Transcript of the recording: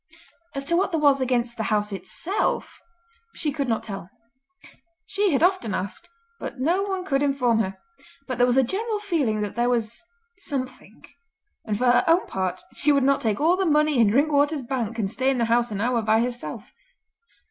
As to what there was against the house itself she could not tell. She had often asked, but no one could inform her; but there was a general feeling that there was something, and for her own part she would not take all the money in Drinkwater's Bank and stay in the house an hour by herself.